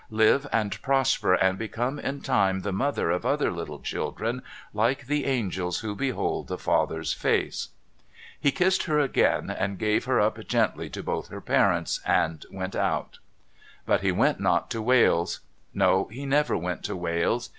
' Live and prosper, and become in time the mother of other little children, like the Angels who behold The Father's face !' He kissed her again, gave her up gently to both her parents, and went out. But he went not to Wales. No, he never went to \^'ales.